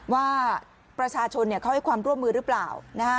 ว่าประชาชนเขาให้ความร่วมมือหรือเปล่า